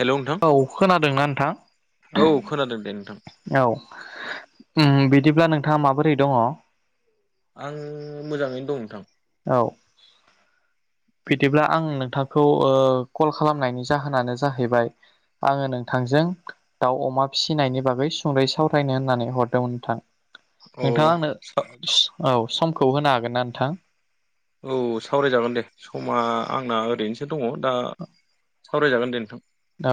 हेल' नोंथां औ खोनादोंना नोंथां। औ खोनादों दे नोंथां? औ उम बिदिब्ला नोंथाङा माबोरै दङ। आं मोजाङैनो दं नोंथां। औ बिदिब्ला आं नोंथांखौ कल खालामनायनि जाहोनानो जाहैबाय आङो नोंथां नोंजों दाउ अमा फिनायनि बागै सुंद'यै सावरायनो होननानै हरदोंमोन नोंथां। अ नोंथाङा आंनो औ समखौ होनो हागोन ना नोंथां? औ सावरायजागोन दे समा आंना ओरैनोसो दङ दा सावरायजागोन दे नोंथां। औ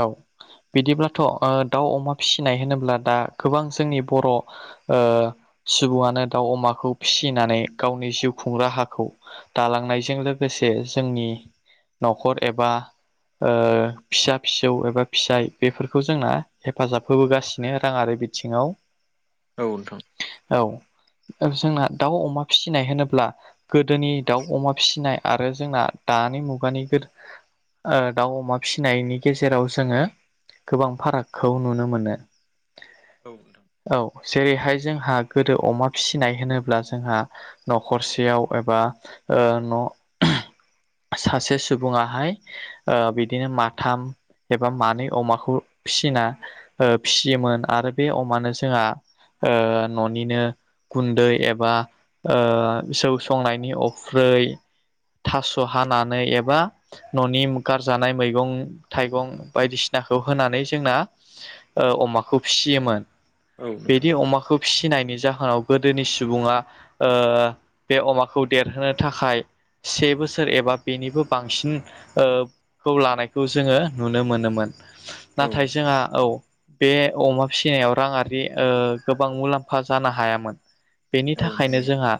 बिदिब्लाथ' ओ दाउ अमा फिनाय होनोब्ला दा गोबां जोंनि बर' ओ सुबुङानो दाउ अमाखौ फिनानै गावनि जिउ खुं राहाखौ दालांनायजों लोगोसे जोंनि न'खर एबा ओ फिसा फिसौ एबा फिसाय बेफोरखौ जोंना हेफाजाब होबोगासिनो राङारि बिथिङाव। औ नोंथां। औ जोंना दाउ अमा फिनाय होनोब्ला गोदोनि दाउ अमा फिसिनाय आरो जोंना दा दानि मुगानि ओ दाउ अमा फिनायनि गेजेराव जोङो गोबां फारागखौ नुनो मोनो। औ नोंथां। औ जेरैहाय जोंहा गोदो अमा फिनाय होनोब्ला जोंहा न'खरसेयाव एबा ओ न' सासे सुबुङाहाय ओ बिदिनो माथाम एबा मानै अमाखौ फिना ओ फियोमोन आरो बे अमानो जोंहा ओ न'निनो गुन्दै एबा ओ सौ संनायनि अफ्रै थास' हानानै एबा न'नि गारजानाय मैगं थाइगं बायदिसिनाखौ होनानै जोंना ओ अमाखौ फियोमोन। औ नोंथां बिदि अमाखौ फिनायनि जाहोनाव गोदोनि सुबुङा ओ बे अमाखौ देरहोनो थाखाय से बोसोर एबा बेनिबो बांसिन ओ खौ लानायखौ जो जोङो नुनो मोनोमोन औ नाथाय जोंहा औ बे अमा फिनायाव राङारि ओ गोबां मुलाम्फा जानो हायामोन। बेनि थाखायनो नोंथां जोंहा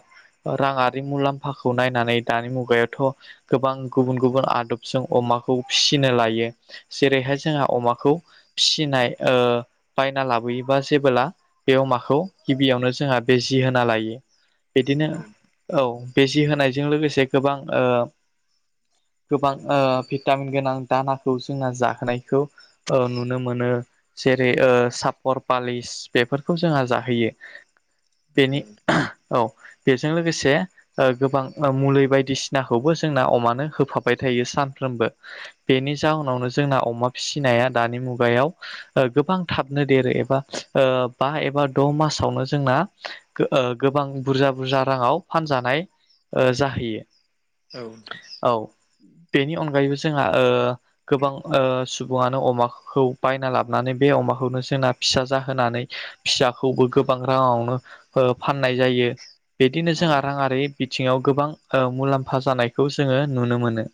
राङारि मुलाम्फाखौ नायनानै दानि मुगायावथ' गोबां गुबुन-गुबुन आदबजों अमाखौ फि नो लायो जेरैहाय जोंहा अमाखौ फिनाय ओ बायना लाबोयोबा जो बोला बे अमाखौ गिबियावनो जोंहा बेजि होना लायो। बिदिनो औ औ बेजि होनायजों लोगोसे गोबां ओ गोबां ओ भिटामिन गोनां दानाखौ जोंहा जाहोनायखौ ओ नुनो मोनो जेरै- ओ सापर पालिस बेफोरखौ जोंहा जाहोयो बेनि औ बेजों लोगोसे ओ गोबां मुलि बायदिसिनाखौबो जोंना अमानो होफाबाय था थायो सानफ्रोमबो। बेनि जाउनावनो जोंना अमा फिनाया दानि मुगायाव ओ गोबां थाबनो देरो एबा ओ बा एबा द' मासावनो जोंना गो ओ गोबां बुरजा-बुरजा राङाव फानजानाय ओ जाहैयो। औथ' औ बेनि अनगायैबो जोंहा ओ गोबां ओ सुबुङानो अमाखौ बायना लाबोनानै बे अमाखौनो जोंना फिसा जा होनानै फिसाखौबो गोबां राङावनो फाननाय जायो। बिदिनो औ जोंहा रांआरि बिथिङाव गोबां ओ मुलाम्फा जानायखौ जोङो नुनो मोनो।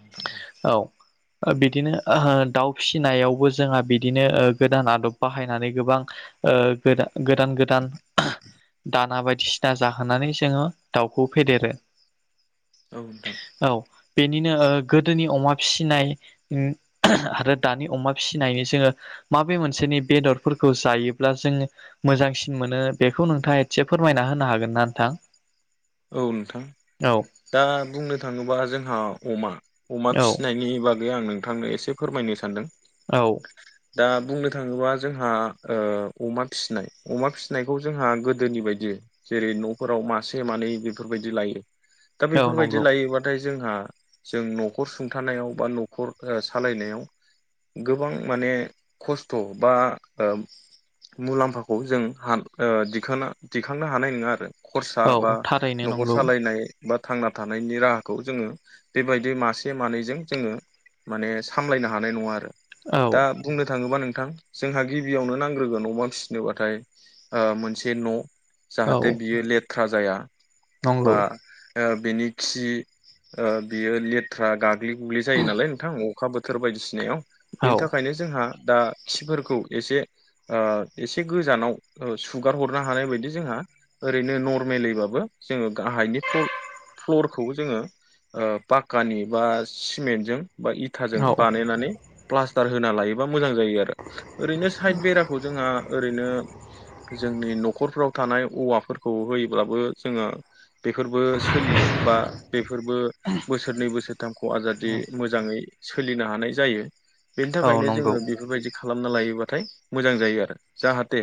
[inaudible] औ बिदिनो ओ दाउ फिसिनायावबो जोंहा बिदिनो गोदान आदब बाहायनानै गोबां ओ गोदा गोदान गोदान दाना बायदिसिना जाहोनानै जोंङो दाउखौ फेदेरो औ नोंथां औ बेनिनो गोदोनि अमा फिसिनाय उम आरो दानि अमा फिसिनायनि जोंङो माबे मोनसे नि बेदरफोरखौ जायोब्ला जों मोजांसिन मोनो बेखौ नोंथांङा एसे फोरमायना होनो हागोन नों थां औ नोंथां दा बुंनो थांङोबा जोंहा अमा अमा औ फिसिनायनि बागै आं नोंथांनो एसे फोरमायनो सानदों औ दा बुंनो थांङोबा जोंहा ओ अमा फिनाय अमा फिसिनायखौ जोंहा गोदोनि बायदि जेरै न'फोराव मासे मानै बेफोरबायदि लायो दा औ बेफोरबायदि नंगौ लायोबाथाय जोंहा जों न'खर सुंथानायाव बा न'खर ओ सालायनायाव गोबां माने खस्थ' बा ओ मुलाम्फाखौ जों हान ओ दिखांना दिखांनो हानाय नंङा आरो खरसा औ बा थारैनो न'खर नंगौ सालायनाय बा थांना थानायनि राहाखौ जोंङो बेबायदि मासे मानैजों जोंङो माने सामलायनो हानाय नंङा आरो औ दा बुंनो थांङोबा नों नोंथां जोंहा गिबियावनो नांग्रोगोन अमा फिसिनोबाथाय मोनसे न' औ जाहाथे बियो लेथ्रा जाया नंगौ बा ओ बेनि खि ओ बियो लेथ्रा गाग्लिगुग्लि जायो नालाय नोंथां अखा बोथोर बायदिसिनायाव औ बेनि थाखायनो जोंहा दा खिफोरखौ एसे ओ एसे गोजानाव सुगार हरनो हानाय बायदि जोंहा ओरैनो नर्मेलयैबाबो जोंङो गाहायनि प्र फ्लरखौ जोंङो ओ पाक्कानि बा सिमेन्टजों बा इथाजों औ बानायनानै प्लास्टार होना लायोबा मोजां जायो आरो ओरैनो साइद बेराखौ जोंहा ओरैनो जोंनि न'खरफ्राव थानाय औवाफोरखौ होयोब्लाबो जोंङो फयो बा बेफोरबो बोसोरनै बोसोरथामखौ आजादि मोजांङै सोलिनो हानाय जायो बेनि औ थाखायनो नंगौ जोंंङो बेफोरबायदि खालामना लायो बाथाय मोजां जायो आरो जाहाथे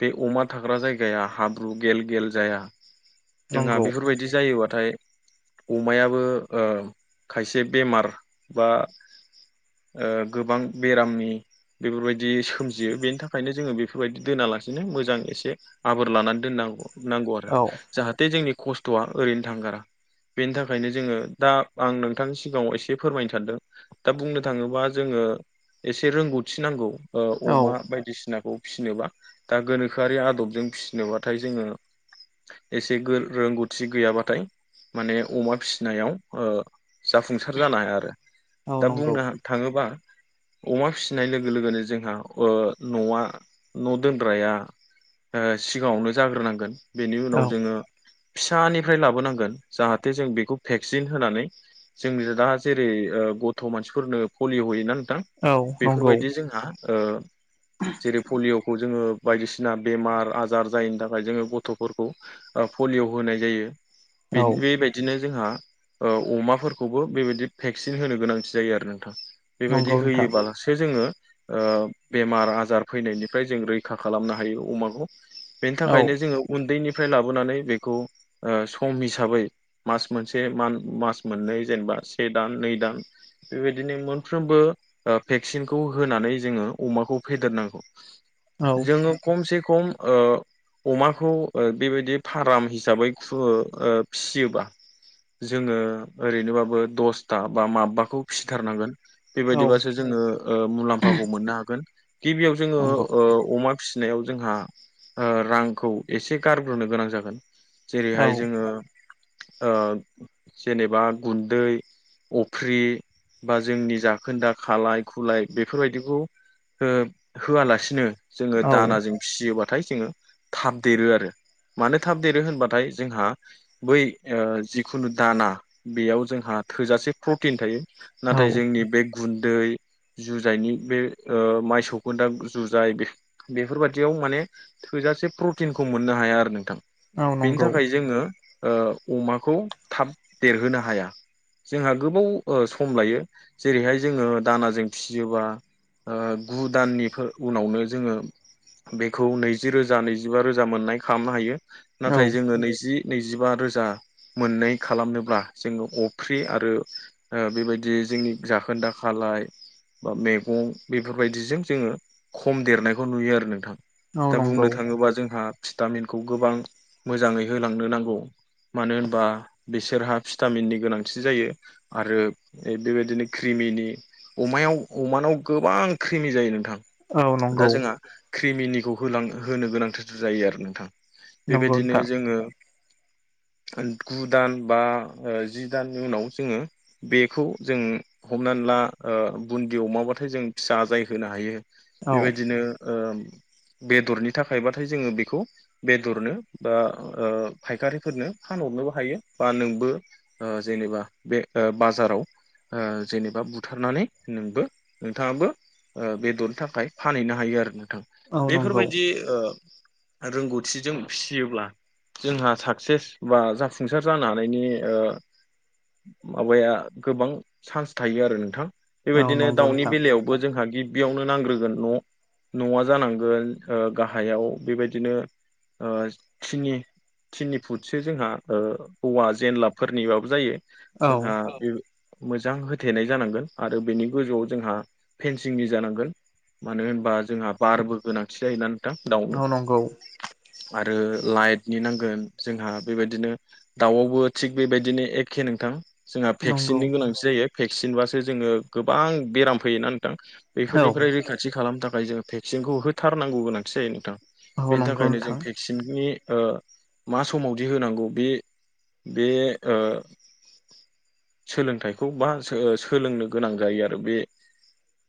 बे अमा थाग्रा जायगाया हाब्रु गेल गेल जाया जोंहा नंगौ बेफोरबायदि जायोबा नाथाय अमायाबो ओ खायसे बेमार बा ओ गोबां बेरामनि बेफोरबायदि सोमजियो बेनि थाखायनो जोंङो बेफोरबायदि दोनालासिनो मोजां एसे आबोर लानानै दोननांगौ नांगौ आरो औ जाहाथे जोंनि खस्थ'आ ओरैनो थांगारा बेनि थाखायनो जोंङो दा आं नोंथांनि सिगांङाव एसे फोरमायनो सानदों दा बुंनो थांङोबा जोंङो ओ एसे रोंगौथि नांगौ ओ औ अमा बायदिसिनाखौ फिसिनोबा दा गोनोखोआरि आदबजों फिसिनोबाथाय जोंङो एसे गो रोंगौथि गैयाबाथाय माने अमा फिसिनायाव जाफुंसार जानो हाया आरो औ दा नंगौ बुंनो थांङोबा [inaudible] अमा फिसिनाय लोगो लोगोनो जोंहा ओ न'आ न' दोनग्राया ओ सिगांङावनो जाग्रोनांगोन बेनि औ उनाव जोंङो फिसानि फ्राय लाबोनांगोन जाहाथे जों बेखौ भेक्सिन होनानै जों दा जेरै ओ गथ' मा मानसिफरनो फलियअ' होयोना नोंथां औ नंगौ बेफोरबायदि जोंहा ओ जेरै फलिअ' खौ जोंङो बायदिसिना बेमार आजार जायैनि थाखाय जोंङो गथ'फोरखौ ओ पलिय' होनाय जायो। औ बे-बेबायदिनो जोंहा ओ अमाफोरखौबो बेबायदि भेक्सिन होनो गोनांथि जायो आरो नोंथां। बेबायदि नंगौ नोंथां होयोब्लालासो जोङो बेमार आजार फैनायनिफ्राय जों रैखा खालामनो हायो अमाखौ। बेनि औ थाखायनो जोङो उन्दैनिफ्राय लाबोनानै बेखौ सम हिसाबै मास मोनसे मास मोननै जेनेबा से दान नै दान। बेबायदिनो मोनफ्रोमबो भेक्सिनखौ होनानै जोङो अमाखौ फेदेरनांगौ। औ जोङो खमसे खम ओ अमाखौ ओ बेबायदि फार्म हिसाबै फिसियोबा। जोङो ओरैनोबाबो दसथा बा माबबाखौ फिसिथारनांगोन। औ बेबायदिबासो जोङो मुलाम्फाखौ मोननो हागोन गिबियाव जोङो नंगौ अमा फिसिनायाव जोंहा रांखौ एसे गारग्रोनो गोनां जागोन। औ जेरैहाय जोङो जेनेबा गुन्दै अख्रि बा जोंनि जाखोन्दा खालाय खुलाय बेफोरबायदिखौ होआलासिनो जोङो औ दानाजों फियोबाथाय जोङो थाबदेरो आरो मानो थाबदेरो होनबा नाथाय जोंहा बै जिखुनु दाना बेयाव जोंहा थोजासे प्रटिन थायो। औ नाथाय जोंनि बे गुन्दै, जुजायनि बे मायसौखौ दा जुजाय बेफोरबायाददियाव माने थोजासे प्रटिनखौ मोननो हाया आरो नोंथां औ बेनि नंगौ थाखाय जोङो अमाखौ थाब देरहोनो हाया। जोंहा गोबाव सम लायो जेरैहाय जोङो दानाजों फिसियोबा गु दाननि उनावनो जोङो बेखौ नैजि रोजा नैजिबा रोजा मोननाय खालामनो हायो औ नाथाय जोङो नैजि नैजिबा रोजा। मोनै खालामनोब्ला जोङो अफ्रि आरो बेबायदि जोंनि जाखोनदा खा फाय बा मैगं बेफोरबायदिजों जोङो खम देरनायखौ नुयो आरो नोंथां। औ दा नंगौ बुंनो थाङोबा जोंहा भिटामिनखौ गोबां मोजाङै होलांनो नांगौ। मानो होनबा बिसोरहा भिटामिननि गोनांथि जायो आरो बेबायदिनो क्रिम नि अमायाव अमानाव गोबां ख्रिमि जायो नोंथां। औ दा नंगौ। जोंहा क्रिमिनिखौ होनो गोनांथार जायो आरो नोंथां नंगौ बेबायदिनो नोंथां जोङो [inaudible] गु दान बा जि दाननि उनाव जोङो बेखौ जों हमनानै खानला बुन्दि अमाब्लाथाय जों फिसा जाय होनो हायो। औ बेबायदिनो बेदरनि थाखायबाथाय जोङो बेखौ बेदरनो बा फायखारिफोरनो फानहरनोबो हायो बा नोंबो जेनेबा बे बाजाराव जेनेबा बुथारनानै नोंबो नोंथाङाबो बेदरनि थाखाय फानहैनो हायो आरो नोंथां। औ नंगौ बेफोरबायदि रोंगौथि बोरथिजों फिसियोब्ला जोंहा साक्सेस बा जाफुंसार ज हानायनि माबाया गोबां चान्स थायो आरो नोंथां। औ बेबायदिनो नंगौ दाउनि नोंथां बेलायावबो जोंहा गिदिर बेयावनो नांग्रोगोन न' न'आ जानांगोन गाहायाव बेबायदिनो ओ थिनि थिनि फुटसो जोंहा ओ औवा जेनलाब फोरनिबाबो जायो औ जोंहा मोजां होथेनाय जानांगोन आरो बेनि गोजौआव जोंहा फेनसिंनि जानांगोन। मानो होनबा जोंहा बारबो गोनांथि जायोना नोंथां औ दाउनो। नंगौ आरो लाइटनि नांगोन जोंहा बेबायदिनो दाउआवबो थिग बेबायदिनो एखे नोंथां जोंहा नंगौ भेक्सिननि गोनांथि जायो भेक्सिन बासो जोङो गोबां बेराम फैयो ना नोंथां औ बेफोरनिफ्राय रैखाथि खालामनो थाखाय जोङो भेक्सिनखौ होथारनांगौ गोनांथि जायो नोंथां। औ नंगो नोंथां। नि ओ मा समावदि होनांगौ बे बे ओ सोलोंथाइखौ बा सोलोंनो गोनां जायो आरो बे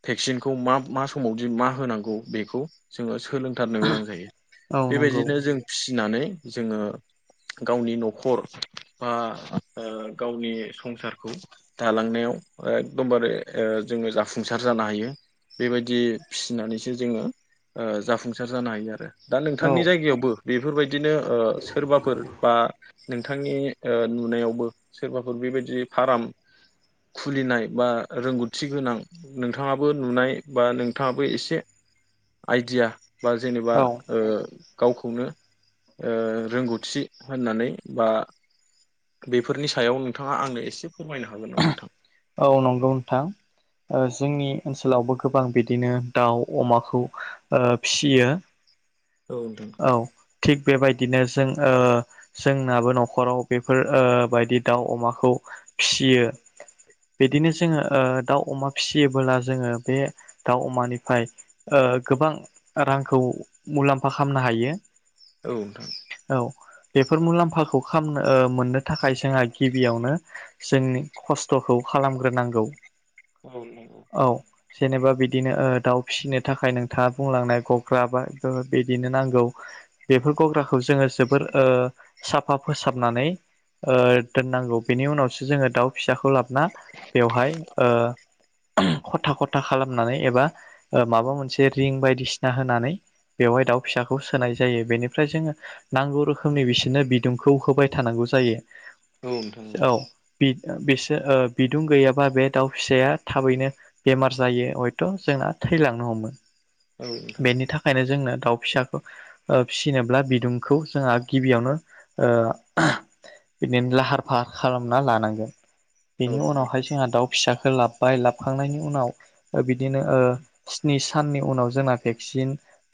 भेक्सिनखौ मा मा समावदि मा होनांगौ बेखौ जोङो सोलोंथारनो गोनां जायो औ नंगौ बेबायदिनो जों फिसिनानै जोङो गावनि न'खर बा ओ गावनि संसारखौ दालांनायाव एखदमबारे ओ जोङो जाफुंसार जानो हायो बेबायदि फिसिनानैसो जोङो ओ जाफुंसार जानो हायो आरो दा नोंथांनि औ जायगायावबो बेफोरबायदिनो ओ सोरबाफोर बा नोंथांनि ओ नुनायावबो सोरबाफोर बेबायदि फार्म खुलिनाय बा रोंगौथि गोनां नोंथाङाबो नुनाय बा नोंथाङाबो एसे आइडिया बा जेनेबा औ ओ गावखौनो ओ रोंगौथि होननानै बा बेफोरनि सायाव नोंथाङा आंनो एसे फोरमायनो हागोन नामा नोंथां? औ नंगौ नोंथां। ओ जोंनि ओनसोलावबो गोबां बिदिनो दाउ अमाखौ ओ फियो। औ नोंथां। थिग बेबायदिनो जों ओ जोंनाबो न'खराव बेफोर ओ बायदि दाउ अमाखौ फिसियो। बिदिनो जोङो ओ दाउ अमा फिसियोबोला जोङो बे दाउ अमानिफ्राय ओ गोबां रांखौ मुलाम्फा खालामनो हायो। औ नोंथां। औ बेफोर मुलाम्फाखौ खालामनो ओ मोननो थाखाय जोंहा गिबियावनो जोंनि खस्थ'खौ खालामग्रोनांगौ। औ नंगौ। औ जेनेबा बिदिनो ओ दाउ फिसिनो थाखाय नोंथाङा बुंलांनाय गग्रा बा बिदिनो नांगौ। बेफोर गग्राखौ जोङो जोबोर ओ साफा फोसाबनानै ओ दोननांगौ बेनि उनावसो जोङो दाउ फिसाखौ लाबोना बेवहाय ओ खथा खथा खालामनानै एबा ओ माबा मोनसे रिं बायदिसिना होनानै बेवहाय दाउ फिसाखौ सोनाय जायो बेनिफ्राय जोङो नांगौ रोखोमनि बिसोरनो बिदुंखौ होबाय थानांगौ जायो। औ नोंथां औ। बिसोर ओ बिदुं गैयाबा बे दाउ फिसाया थाबैनो बेमार जायो हयथ' जोंना थैलांनो हमो औ नोंथां बेनि थाखायनो जोंनो दाउ फिसाखौ ओ फिसिनोब्ला बिदुंखौ जोंहा गिबियावनो ओ बिदिनो लाहार फाहार खालामना लानांगोन औ बेनि नोंथां उनावहाय जोंहा दाउ फिसाखौ लाबबाय लाबखांनायनि उनाव बिदिनो ओ स्नि साननि उनाव जोंना भेक्सिन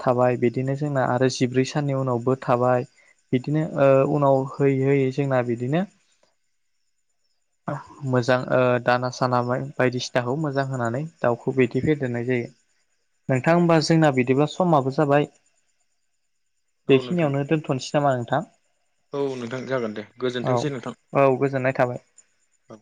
थाबाय बिदिनो जोंना आरो जिब्रै साननि उनावबो थाबाय। बिदिनो ओ उनाव होयै होयै जोंना बिदिनो मोजां ओ दाना साना बायदिसिनाखौ मोजां होनानै दाउखौ बिदि फेदेरनाय जायो। नोंथां होमबा जोंना बिदिब्ला समाबो जाबाय। औ नोंथां औ नोंथां बेखिनियावनो दोनथ'नोसै नामा नोंथां। औ नोंथां जागोन दे औ गोजोनथोंसै नोंथां औ गोजोननाय थाबाय औ।